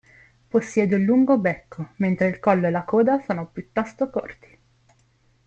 Possiede un lungo becco, mentre il collo e la coda sono piuttosto corti.